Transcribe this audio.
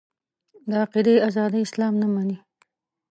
د عقیدې ازادي اسلام نه مني.